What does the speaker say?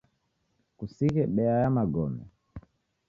Kusighe beya ya magome